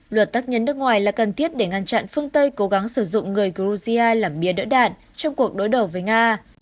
luật tác nhân nước ngoài là cần thiết để ngăn chặn phương tây cố gắng sử dụng người georgia làm bia đỡ đạn trong cuộc đối đầu với nga